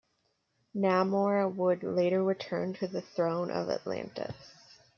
Namor would later return to the throne of Atlantis.